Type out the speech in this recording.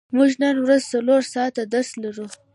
موږ نن ورځ څلور ساعته درس لرو.